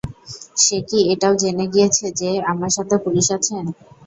সে কি এটাও জেনে গিয়েছে যে, আমার সাথে পুলিশ আছেন?